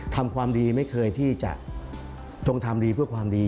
ทำความดีไม่เคยที่จะจงทำดีเพื่อความดี